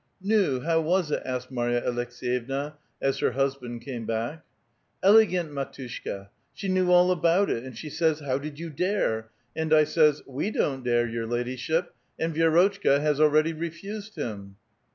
how was it?" asked Marj a Aleks^yevna, as her husband came buck. ^' iilegiint, mdtushka; she knew all about it, and she saj's, 'How did you dare?' and I says, 'We don't dare, your hidyship, and Vi6rotchka has already refused him.'